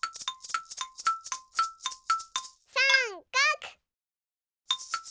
さんかく！